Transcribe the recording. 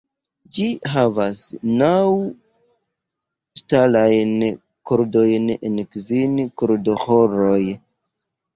Ĝi havas naŭ ŝtalajn kordojn en kvin kordoĥoroj.